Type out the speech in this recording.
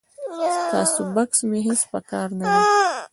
ستا بکس مې هیڅ په کار نه دی.